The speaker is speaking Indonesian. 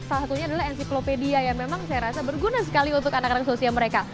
salah satunya adalah enciklopedia yang memang saya rasa berguna sekali untuk anak anak sosial mereka